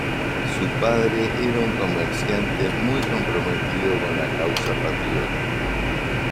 Su padre era un comerciante muy comprometido con la causa patriótica.